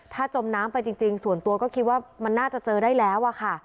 ถ้าจมน้ำไปจริงส่วนตัวก็คิดว่ามันน่าจะเจอได้แล้วอะค่ะ